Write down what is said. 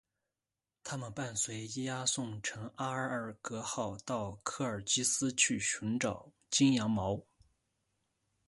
他们伴随伊阿宋乘阿尔戈号到科尔基斯去寻找金羊毛。